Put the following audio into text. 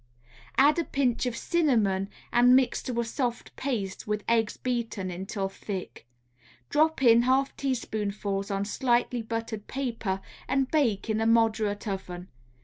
Add a pinch of cinnamon and mix to a soft paste with eggs beaten until thick. Drop in half teaspoonfuls on slightly buttered paper and bake in a moderate oven.